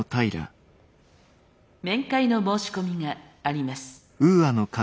面会の申し込みがあります。